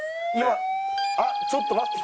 あっちょっと待って。